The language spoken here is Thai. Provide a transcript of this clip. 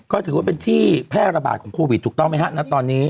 ก็ถือว่าเป็นที่พศครรภาคของโควิดถูกต้องไม่หัดนะตอนนี้